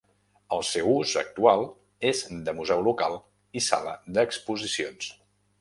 El seu ús actual és de museu local i sala d'exposicions.